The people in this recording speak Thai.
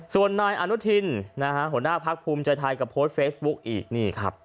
ส่วนนายอนุทินหัวหน้าพลักษณ์ภูมิเจอร์ไทยก็โพสต์เฟซบุ๊กอีก